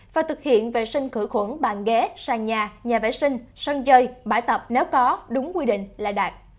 và thực hiện vệ sinh khử khuẩn bàn ghế sàn nhà nhà vệ sinh sân chơi bãi tập nếu có đúng quy định là đạt